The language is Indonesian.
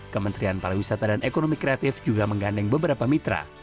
kementerian paluwisata dan ekonomi kreatif juga mengganding beberapa mitra